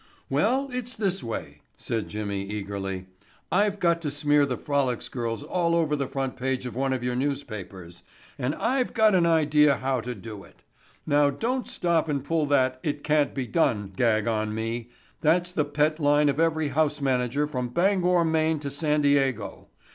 "Well, it's this way," said Jimmie eagerly. "I've got to smear the Frolics girls all over the front page of one of your newspapers, and I've got an idea how to do it. Now don't stop and pull that 'it can't be done' gag on me. That's the pet line of every house manager from Bangor, Maine, to San Diego.